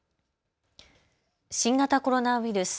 新型コロナウイルス。